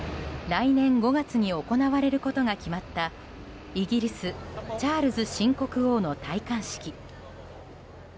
来年５月に行われることが決まったイギリスチャールズ新国王の戴冠式。